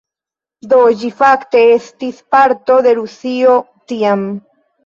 Do, ĝi fakte estis parto de Rusio tiam